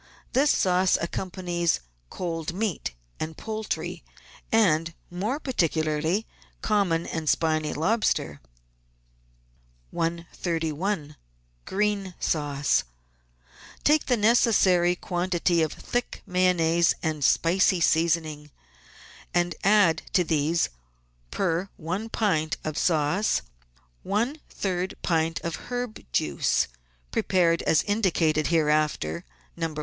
This sauce accompanies cold meat and poultry, and, more particularly, common and spiny lobster. 131— GREEN SAUCE Take the necessary quantity of thick Mayonnaise and spicy seasoning, and add to these, per pint of sauce, one third pint of herb juice, prepared as indicated hereafter (No.